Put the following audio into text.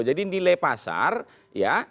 jadi nilai pasar ya